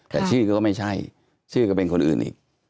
แต่ชื่อก็ไม่ใช่ชื่อก็เป็นคนอื่นอีก